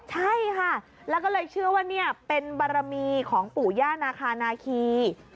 ใช่ค่ะแล้วก็เลยเชื่อว่านี่เป็นบารมีของปู่ย่านาคานาคี